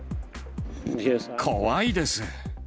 怖いです。